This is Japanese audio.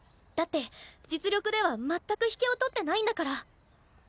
だって実力では全く引けを取ってないんだから。